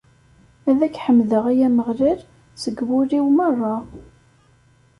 Ad k-ḥemdeɣ, ay Ameɣlal, seg wul-iw merra.